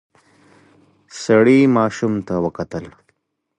سړی ماشوم ته وکتل.